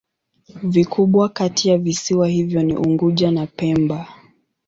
Vikubwa kati ya visiwa hivyo ni Unguja na Pemba.